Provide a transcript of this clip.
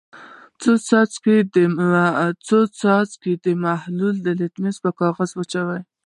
یو څو څاڅکي د محلول د لتمس پر کاغذ واچوئ.